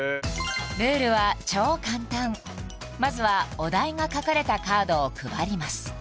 ルールは超簡単まずはお題が書かれたカードを配ります